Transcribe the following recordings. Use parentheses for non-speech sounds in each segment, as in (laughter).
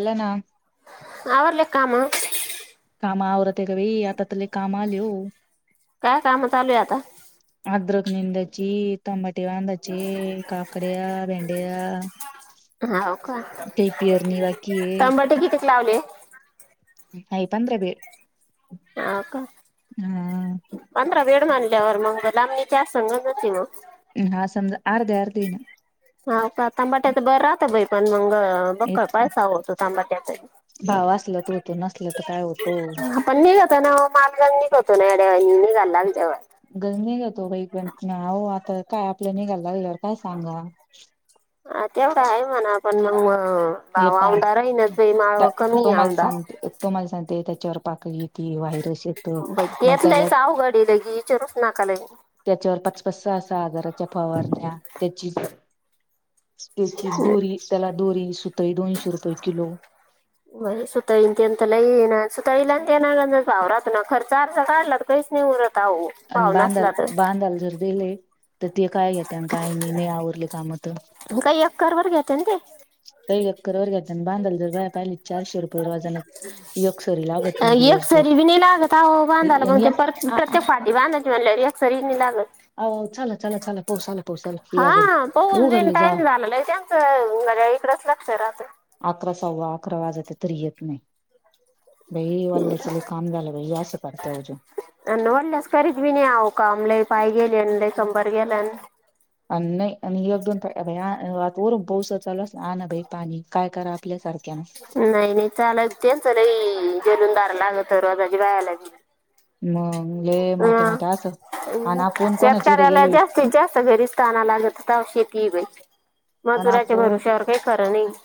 झाला ना आवडले का म्हण. कामा आवरते आहे ग बई आता तले काम आले हो. काय काम चालू आहे आता. अद्रक निंदची तबाटी वांदची काकड्या भेंड्या. हो का ते पेरणी बाकी आहे तंबाटे कितीक लावले. अई पं्र बेर. हो का. हा. पंधरा वेळ मानल्यावर मग बलाी त्या सगत होती मग. (unintelligible) (inaudible) हा समजा अर्ध अर्धे ना (unintelligible) (inaudible) हा का तांबाट्याच बरं राहत बाई पण मंग बक एक पैसा होतो तांबाट्याचा. भाव असला तर होतो नसला तर काय होतो पण निघतो ना मालला निघतो ना याड्या. गला (unintelligible) गल नाही घतो काहीण हो आता काय आपल्या निघायला ला गेल्यावर काय सांग (unintelligible) (inaudible) हा तेवढा आहे म्हणा आपण मग मग (inaudible) (unintelligible) ह हे भाव पहा आ रहि न त माळ कमी आ (inaudible) (unintelligible) (inaudible) (unintelligible) ार पाक त (inaudible) (unintelligible) (inaudible) ेतलंयहघाडी ल कीचारूच नकाला (inaudible) (unintelligible) त्याच्यावर पाचपच असा आजाराच्या फवारण्या त्याची (unintelligible) (inaudible) (unintelligible) त्याची दोरी त्याला दोरी सुतई दोनशे रुपये किलो (unintelligible) (inaudible) म सुता येन तेनंतला ये ना सुता येईला ते ना भाव राात ना खर्च अारसा काढलात कहीच नाही उरत (unintelligible) (unintelligible) (inaudible) आणि भाव बांदल नसला तर बांधाल जर दिले (unintelligible) (inaudible) (unintelligible) तर ते काय घेत काय नाही नाही आवरले कामत (unintelligible) (unintelligible) (inaudible) काही एककर वर घेते ना ते (unintelligible) (inaudible) र अकर वर (unintelligible) (inaudible) बांधल तर वया पाहिली चारशे रपरवाजना य सरी लागत नाही डीवर्सभर. (unintelligible) हो बांधाला मग ते प्रत्ये फाटी बांधायची म्हणल्यास रिणी लागत. (unintelligible) हो चचाल चला चला पाोसाल (unintelligible) हा पस देन टाईम झाला नाही त्यांचं घ्या इकडच लक्ष राहत. अकरा सव्वा अकरा वाजते तर येत नाही. बई वा चल काम झालं असं करते अजून. अ वडल्यास खरीच मी नाही आ कामला पाय गेले ल शंभर गेला (inaudible) (unintelligible) आणि नाही आणि एक दोन आता वरून पाोस चाला (unintelligible) (inaudible) (unintelligible) (inaudible) (unintelligible) (unintelligible) ह ना बाई पाणी काय करा आपल्यासारखं (unintelligible) (unintelligible) (inaudible) नाही नाही चाल ते तर र जलुदार लाग तरवाजाज वयाला गे (unintelligible) (unintelligible) (unintelligible) मग लय ह मोठे मोठे असं आणि ह आपण कोणाच्या इकडे शेतकला गेलोय जास्तीत जास्त बेरस्ताानला (unintelligible) (inaudible) (unintelligible) शेतीली मजुराच्या भरश्यावर काही खरं नाही (inaudible)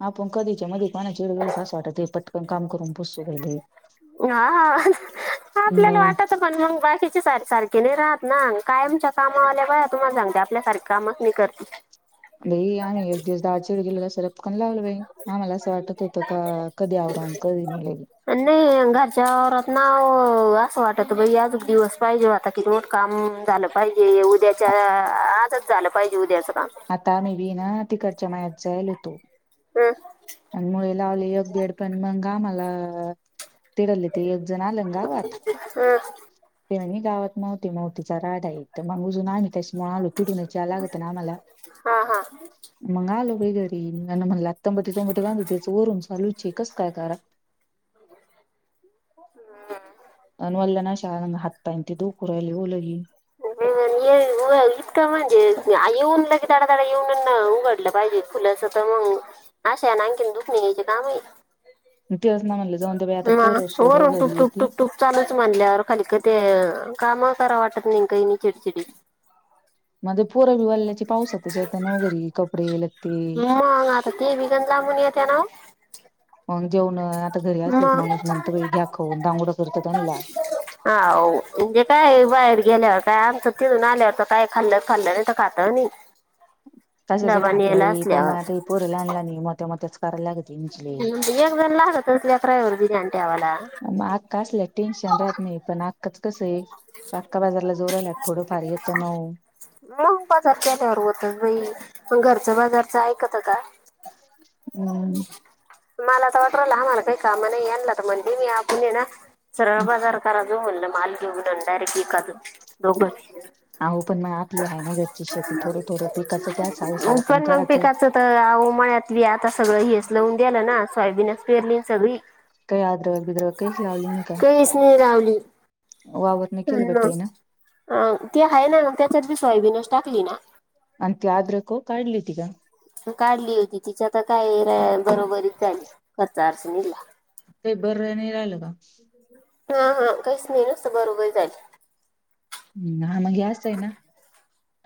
हा आपण कधीच्या मध्ये पाणाचे वेला तस वाटत पटकन काम करून पुोसू गेले (unintelligible) (inaudible) हा आपल्याला मग वाटत पण मग बा (unintelligible) (unintelligible) (unintelligible) कीचे सारे सारखे नाही राहात ना काय आमच्या कामा आल्या का तुम्हाला सांगते आपल्यासारखे कामच मी करते (unintelligible) ल आणि एक दिवस दहा व गेले सर (inaudible) चकन लावलं बाई हा मला असं वाटत होतं का कधी आवडून कधी नले (unintelligible) (inaudible) त्याहरात ना असं वाटत बाई आज दिवस पाहिजे आता किती मोठ काम झालं पाहिजे (unintelligible) (inaudible) ज उद्याच्या आ- आजच झालं पाहिजे उद्याच (unintelligible) (inaudible) आता मी बी ना तिकडच्या मायात जायल होतो (unintelligible) (inaudible) हं, कामला तडलली त (unintelligible) हम (unintelligible) (inaudible) मी गावात मवते मवतीचा राड आहे तर मग अजून आण (inaudible) (unintelligible) त्याच्यामुळे आलो तिटूनयच्या लागत ना मला हा हा मग आलो बेग र न मणतो ठीकस काय कार हम् अ वल्ल नाशा हातपाय ते दुख राहिली लगी हो इतकां म्हणजे येऊन ल की डाातडा येऊन उघडलं पाहिजे फुलंस मग आशा ना आणखीन दुख नि घ्यायचे कामही मग तेच ना म्हणलं जाऊन दे बाई आता म पोरं सोरं वरून घरी टुपटुक येते टुकटूप चालच म्हनल्यावर खाली क ते कामा करा वाटत नाही कायनी चिडीचडी मध्ये पोर बल्या पावसातता ना घरी कपडे लगते मग आता ते बिगन लांबून येते ना मग जेवण आता घरी असल मग माणूस म्हणत घ्या खवून दांगोड करतात आणल्या हा. हुं (unintelligible) हाये बाहेर गेल्यावर काय आमचं तिजून आल्यावर तर काय खाल्लं खाल्लं नाही तर खात ही नाही. तच डबा खाते नेला पण असल्यावर मला ते पुर आणलं नाही मोठ्या मोठ्याच कराला लागली एक (unintelligible) आणि ठेवाला कासल्या टेनशन राहत नाही पण आजकालच कसं आहे आका बाजार मग बाजारख्या त्यावर होतच भाई. त घरचं बाजारचं ऐकत का? हम्. मला तर वाटरला आम्हाला काही कामा नाही. यांना तर म्हणजे मी आपण हे ना सरळ बाजार करा अहो पण मग आपली आहे ना घरची शेती थोडं थोडं पिकाचं त्या साल (unintelligible) सालकण पण मग करायचं पिकाचं तर? उमळ्यातली आता सगळं हेच लावून दिलं ना. फायबिनस पेरली ना सगळी काही अद्रक बिद्रक काहीच लावली नाही का कानिस नाही लावली. वावर नाही केलं ना बेटा हिनं अ ते आहे ना मग त्याच्याी सोयाबीनच टाकली ना अंत या्रको काढलीितीघ काढली होती तिच्या तर काय बरोबरीच झाली खर्च अडचणीला ते बर नाही राहिलं का हा हा काहीच नाही नत बरोघरी झाल हम्म हा मग असस्त आहे ना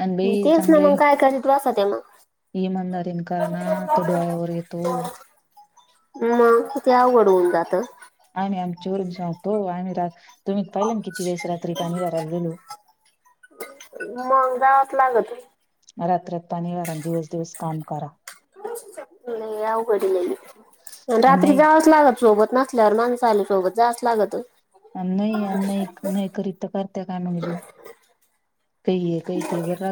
आणि तेच ना मग काय करत त वा अस ते मग ह मंदारन कारण तडवाय उरयतो मग ति ते आघड होऊन जातं आम्ही आम चोरच जावतो आम्ही रा तुम्ही पायलन, किती वेळेस रात्री पाणी भराया गे लेलो. लाग त वारा दिवस दिवस काम करा. नाही अवघडलेली. आणि रात्री नाही जावच लागल सोबत नसल्यावर माणस. चाले सोबत जास्त लागत. नाही आणि नाही. नाही करीत तर करत काममजून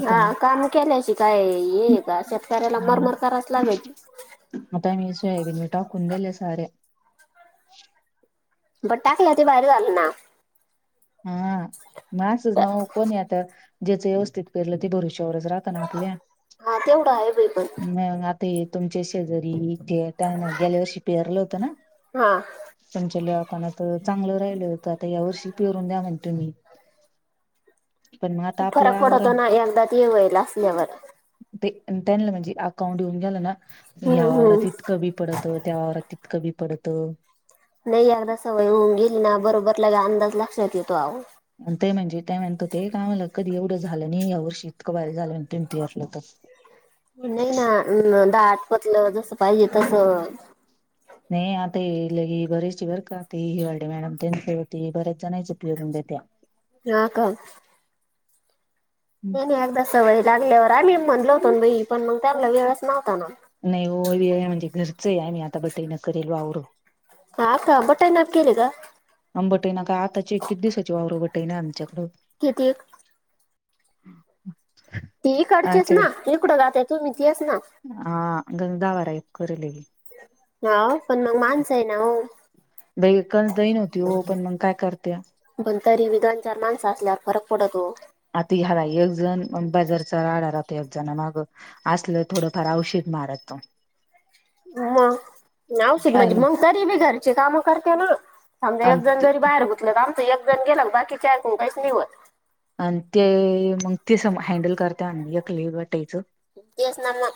हा काम केल्याशी काय आहे हे का शेतकऱ्याला हुं मरमर करावच लागत आता या सोयाबीनवर टाकून झाल्या साड्या. बट टाकलं ते बाहेर झालं ना. हा म असच नाव कोणी आता, ज्याच व्यवस्थित पेरलं ते भरू शक तेवढंच राहत ना आपल्या, हा तेवढं आहे बाई पण म आता हे तुमचे शेजारी गेल्या वर्षी पेरलं होतं ना? हा (unintelligible) दुकानात चांगलं राहिलं होत आता या वर्षी पेरून द्या म्हणते तुम्ही पण मग आता खूप आपलं फरक आवरण पडतो ना एकदा ते येऊईल असल्यावर ते त्यांना म्हणजे अकाउंट येऊन गेलं ना, की ह्या हम्म हम्म वावरातत कमी पडतं, त्या वावरात कमी पडत. नाही अगदा सवय होऊन गेली ना बरोबर लग अंदाज लक्षात येतो आवो. आणि ते म्हणजे तेय म्हणत ते कामलं कधी एवढं झालं नाही या वर्षी इतकं भारी झालं त पेरलं तर नाही ना दाट पतलं जस पाहिजे तस नाही आता याया लगी बरीेचशी वर काते हिवाडी मॅडम त्यां होती बऱ्याच जणांच उपयोगून. (unintelligible) ना का नाही नाही एकदा सवय लागल्यावर आली म्हनलो होतो बइ, पण मग त्याला वेळच नव्हता ना. नाही म्हणजे घरचं आहे. आणि आता बटई न करेल वावरून हा का बटई नाबाकीन आहे का? नंबटे ना का आताची कि दिवसाची वावर बटेना आमच्याकडं. किती? (unintelligible) ती काढतेस आमच्याकडे ना कि कुठं गातय तुम्ही तीच ना हा (inaudible) हा पण मग माणसय ना हो दही कणस दही नव्हती हो पण मग काय करत्या (unintelligible) तरी दोन-चार माणस असल्यावर फरक पडतो आता ह्याला एक जण बाजारचा राडा राहतो एक जण माग असलं थोडंफार आवश्यक मारतो मग नासिक म्हणजे आणि मग तरी बी घरची कामं करते ना समजा एक जण जरी बाहेर गुतलं एक जण गेला बाकीच्या आहे कोण काहीच निवत आणि ते मग तिस हँडल करते अ यकली तेच ना मग.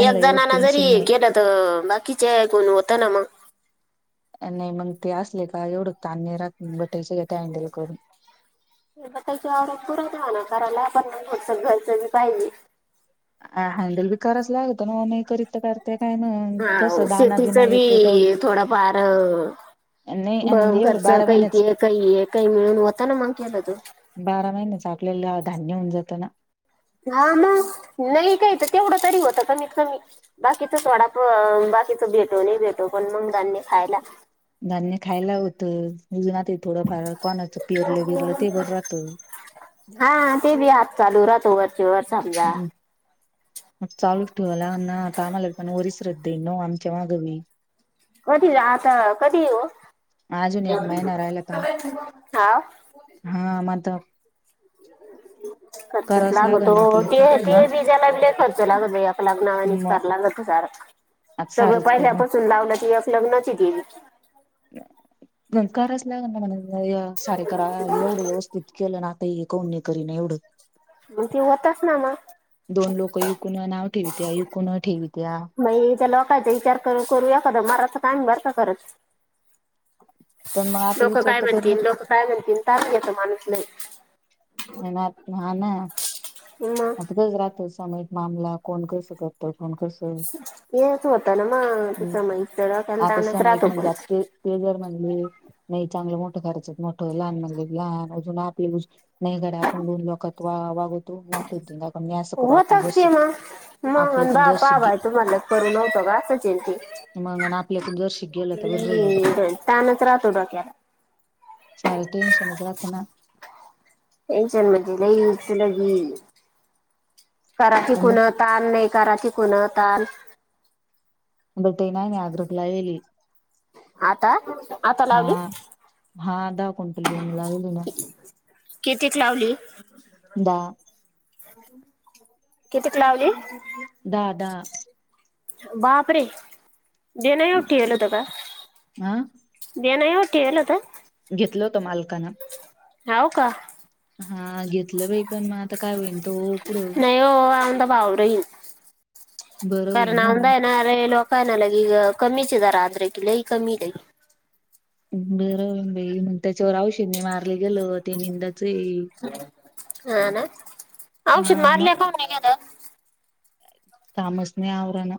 एक एवढं जणना जरी टेन्शन नाही केलं, तर बाकीचे कोण होत ना मग. नाही मग ते असले का एवढं तान नाही राहत बटाई स ते हँडल करून. त्याची आवड पुरणवा ना करायला आपणच घरचं पाहिजे. अ हँडल बी करायच लागतं ना, नाही करीत तर कर हा शेतीचा बी तेवढ थोडाफार नाही बघ आणि एवढं घरचं बारा काही महिन्याच ते काही ये काही मिळून होता ना मंग. बारा महिने चा आपलेला धान्य होऊन जातं ना. हा मग नाही काही तर तेवढं तरी होत कमी कमी बाकीचा थोडा बाकीच भेटो नाही भेटो पण मग धान्य खायला धान्य खायला होतं अजूनत थोडं फार हा ते बी हात चालू राहतो वरचे वर समजा मग चालूच ठेवाला ना आता आम्हाला पण वरी श्रद्धाई न आमच्या माग मी कधी आता कधी येऊ अजून एक महिना राहिला तर हा (unintelligible) हा मग आता खर्चच करावच लागल लागतो ना आपल्या ते ते हा बिजाला खर्च लागत आप लग्नावानेच मग लागत सार आता सगळं सारच करण पहिल्यापासून लावलं ती एकलग्न गेली कारच लाग म्हण सारे करा एवढं व्यवस्थित केलं ना कोण करी एवढं मग ते होतच ना मग (unintelligible) दोन लोक विकूनव तीयकण ठेव मग त्या लोकांचा विचार कर करू एखादां मारत काम बर का करत पण मग आता लोक विचार काय तर कर ना म्हणतील लोकं काय म्हणतील ताण घेतो माणूस नाही ना हा ना मग आता गच राहतोस माम कोण कस करत कोण कस हेच होतं ना मग आहेम् तिचं मग इथं डोक्याला आता ताणच समय राहतो म्हणज पण जास्त ते जर म्हणले नाही चांगलं मोठं करायचत मोठं लहान म्हणले लहान अजून आपली नाही घड आपण लन लोकात वा वाग तो नात त मी असं करू आपण होतच जरशी ते मग मग आपल्याकून बा जरशी पा बा गे आहे तुम्हाला करूनव्हतं का असंल की मग आपल्याकून जरशी गेलं तर बरं राहील तानत राहतो डोक्याला शार टेंशन च रात ना येचन मजले तलग कराची कुणा तल नाही कराची कुणा तल बटे ना नाही अ्र कलावली आता आता लावली हा दहा क्विंटल वेन लागली ना कितीत लावली दहा कितीक लावली दादा. बापरे देण उठी गेल त का हा देण केल तर घेतल होत मालकाना हव का हा घेतलं बाई पण मग आता काय होईन तो पुढं नाही ओ बावरही बरं करण होईन आ हो आहे नारे लोक काय नालागी कमीचे जरा आद्र कि लई कमी लई बरं बाई मग त्याच्यावर औषध नाही मारले गेलं ते निंदाच ये हा ना औषध हा मग मारलक होन घ तामसने आवराना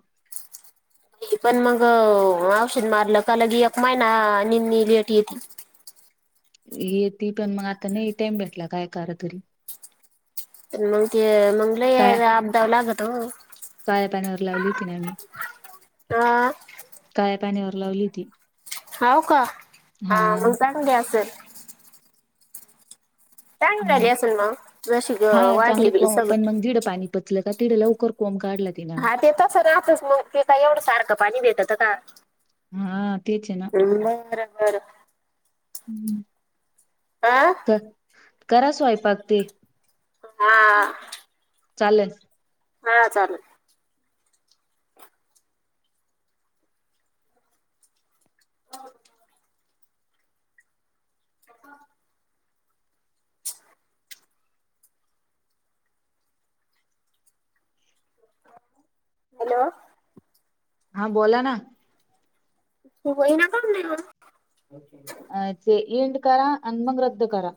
पण मग औषध मारलं काल की एक महिना निनी लेट येतील ये ती पण मग आता नाही टाइम भेटला काय क तरी मग ते मंग ल काय अबदााव लागत काळ्या पाण्यावर लावली तिने आ मी हा काळ्या पाण्यावर लावली ती होव का ह मग जाणगे असेल चांगली झाली ह असेल मग जशी ग हा वाढली चांगले बी कोंब पण मग सगळं जड पाणी पचलं का तिड लवकर कोंब काढला तिनं हा ते तसं राहतच मग ते काय एवढं सारखं पाणी देत का का? हा तेच आहे ना. बर. हा कर करा स्वयंपाक तेन हा चालेलस हा चालल (unintelligible) हॅलो हा बोला ना वई ना काम देव अचछे इंड करा आणि मग रद्द करा